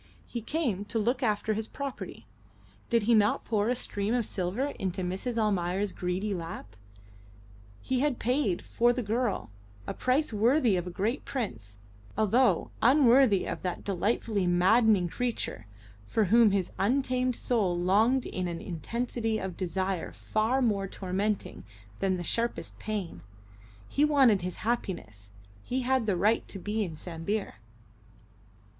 He came to look after his property. Did he not pour a stream of silver into Mrs. Almayer's greedy lap? He had paid, for the girl, a price worthy of a great prince, although unworthy of that delightfully maddening creature for whom his untamed soul longed in an intensity of desire far more tormenting than the sharpest pain. He wanted his happiness. He had the right to be in Sambir.